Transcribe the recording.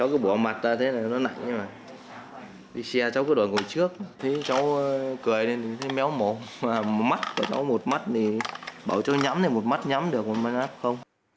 cháu cứ đổi ngồi trước cháu cười thì méo mồm mắt của cháu một mắt bảo cháu nhắm thì một mắt nhắm được một mắt không